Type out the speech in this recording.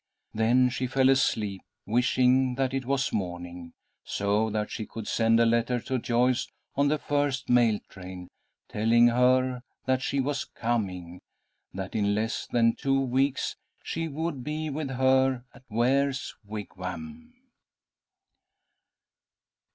Then she fell asleep, wishing that it was morning, so that she could send a letter to Joyce on the first mail train, telling her that she was coming, that in less than two weeks she would be with her at Ware's Wigwam.